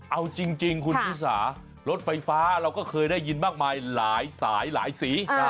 เอาจริงคุณชิสารถไฟฟ้าเราก็เคยได้ยินมากมายหลายสายหลายสี